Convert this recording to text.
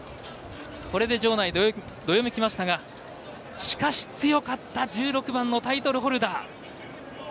これで場内、どよめきましたがしかし、強かった１６番のタイトルホルダー。